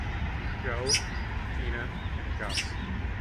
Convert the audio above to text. Joe, Gina and Gus.